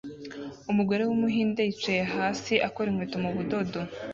Umugore wumuhinde yicaye hasi akora inkweto mu budodo